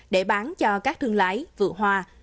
để bán cho các thương lái vượt hoa